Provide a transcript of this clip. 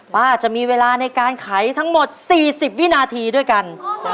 ป้าจะมีเวลาในการไขทั้งหมด๔๐วินาทีด้วยกัน